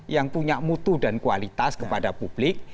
yang punya mutu dan kualitas kepada publik